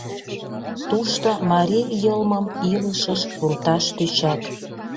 Тушто марий йылмым илышыш пурташ тӧчат.